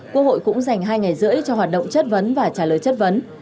quốc hội cũng dành hai ngày rưỡi cho hoạt động chất vấn và trả lời chất vấn